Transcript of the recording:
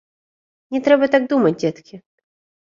Не трэба так думаць, дзеткі.